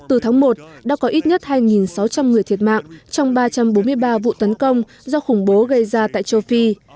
từ tháng một đã có ít nhất hai sáu trăm linh người thiệt mạng trong ba trăm bốn mươi ba vụ tấn công do khủng bố gây ra tại châu phi